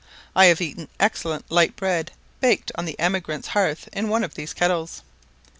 I have eaten excellent light bread, baked on the emigrant's hearth in one of these kettles.